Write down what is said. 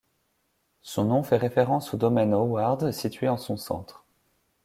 Son nom fait référence au domaine Howard situé en son centre.